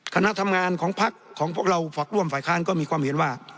คณะทำงานของพักของพวกเราฝักร่วมฝ่ายค้านก็มีความเห็นว่า